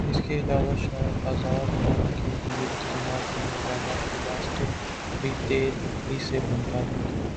اس کے علاوہ شاید آزار بند کیلئے استعمال ہونے والا الاسٹک بھی تیل ہی سے بنتا ھے